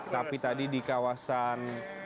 tapi tadi di kawasan